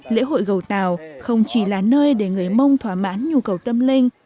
lễ hội gầu tàu không chỉ là nơi để người mông thỏa mãn nhu cầu tâm linh